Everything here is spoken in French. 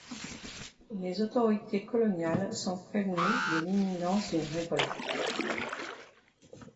Les autorités coloniales sont prévenues de l'imminence d'une révolte.